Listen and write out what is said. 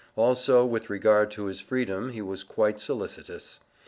Also with regard to his freedom he was quite solicitous.